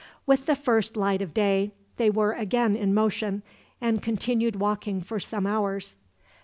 With the first light of day they were again in motion, and continued walking for some hours.